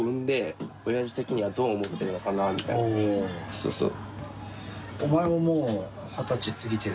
そうそう。